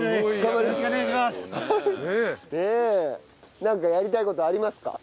なんかやりたい事ありますか？